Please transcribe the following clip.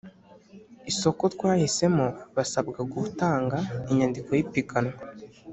isoko rwahisemo basabwa gutanga inyandiko y ipiganwa